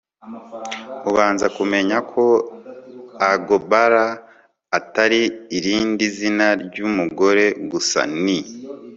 ubanza kumenya ko agbala atari irindi zina ryumugore gusa, ni